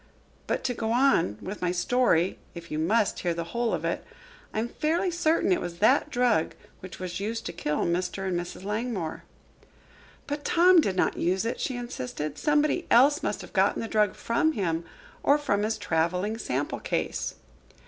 But to go on with my story, if you must hear the whole of it. I am fairly certain it was that drug which was used to kill Mr. and Mrs. Langmore." "But Tom did not use it," she insisted. "Somebody else must have gotten the drug from him or from his traveling sample case."